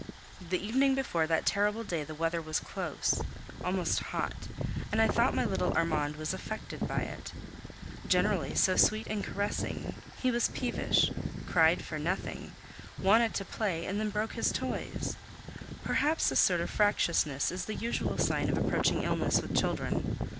The evening before that terrible day the weather was close, almost hot, and I thought my little Armand was affected by it. Generally so sweet and caressing, he was peevish, cried for nothing, wanted to play, and then broke his toys. Perhaps this sort of fractiousness is the usual sign of approaching illness with children.